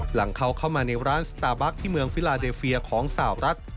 หลังเขาเข้ามาในร้านสตาร์บัคที่เมืองฟิลาเดเฟียของสาวรัฐ